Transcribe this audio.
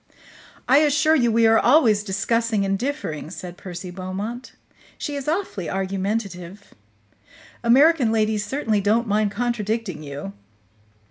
"I assure you we are always discussing and differing," said Percy Beaumont. "She is awfully argumentative. American ladies certainly don't mind contradicting you.